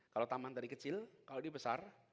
kalau taman tadi kecil kalau ini besar